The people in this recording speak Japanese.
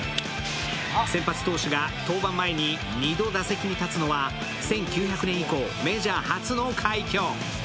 先発投手が登板前に２度打席に立つのは１９００年以降、メジャー初の快挙。